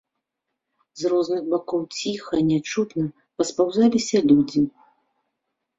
З розных бакоў ціха, нячутна паспаўзаліся людзі.